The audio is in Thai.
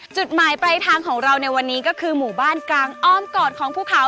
จุดหมายปลายทางของเราในวันนี้ก็คือหมู่บ้านกลางอ้อมกอดของภูเขา